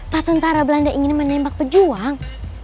pak tentara belanda ingin menembak pejuang